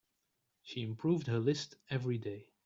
She improved her list every day.